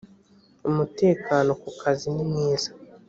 umutekano ku kazi nimwiza